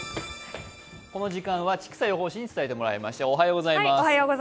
この時間は千種予報士に伝えてもらいましょう。